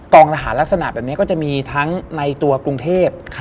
ทหารลักษณะแบบนี้ก็จะมีทั้งในตัวกรุงเทพ